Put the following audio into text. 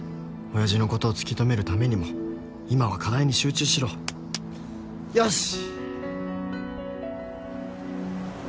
親父のことを突き止めるためにも今は課題に集中しろよし！